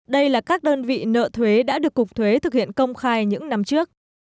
đây là các đơn vị nợ thuế đã được cục thuế thực hiện công khai những năm trước